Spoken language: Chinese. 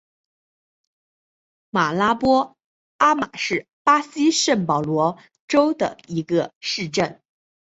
马拉波阿马是巴西圣保罗州的一个市镇。